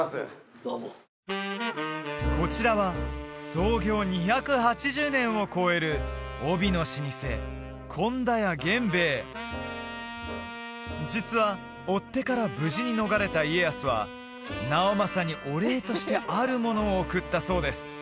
どうもこちらは創業２８０年を超える帯の老舗誉田屋源兵衛実は追っ手から無事に逃れた家康は直政にお礼としてあるものを贈ったそうです